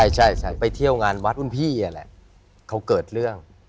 ใช่ไปเที่ยวงานวัดรุ่นพี่แหละเขาเกิดเรื่อง